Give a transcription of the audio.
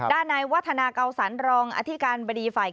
ด้านในวัฒนาเก่าสรรรองอธิการบริษัท